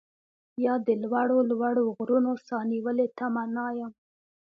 يا د لوړو لوړو غرونو، ساه نيولې تمنا يم